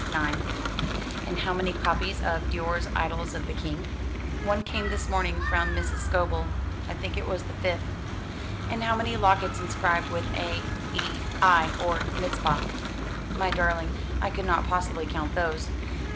"Nine." "And how many copies of Doré's 'Idylls of the King'?" "One came this morning from Mrs. Scobel. I think it was the fifth." "How many lockets inscribed with A. E. I. or 'Mizpah'?" "My darling, I could not possibly count those.